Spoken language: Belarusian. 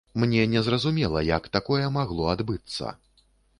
Мне незразумела, як такое магло адбыцца.